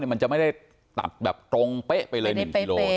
มันจะไม่ได้ตัดแบบตรงเป๊ะไปเลย๑กิโล